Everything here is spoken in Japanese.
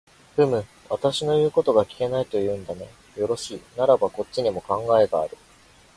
ふむ、私の言うことが聞けないと言うんだね。よろしい、ならばこっちにも考えがある。